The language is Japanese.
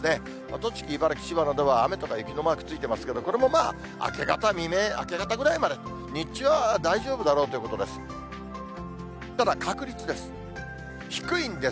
栃木、茨城、千葉などは雨とか雪のマークついてますけど、これもまあ、明け方、未明、明け方ぐらいまで、日中は大丈夫だろうということです。